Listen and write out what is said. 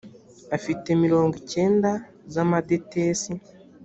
afite mirongo cyenda z amadetesi